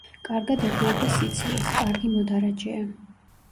კარგად ეგუება სიცივეს, კარგი მოდარაჯეა.